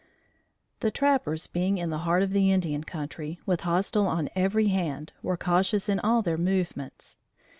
The trappers being in the heart of the Indian country, with hostile on every hand, were cautious in all their movements.